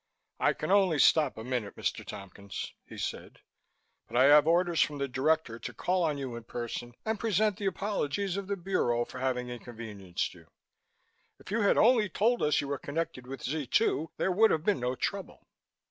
"I can only stop a minute, Mr. Tompkins," he said, "but I have orders from the Director to call on you in person and present the apologies of the Bureau for having inconvenienced you. If you had only told us you were connected with Z 2 there would have been no trouble."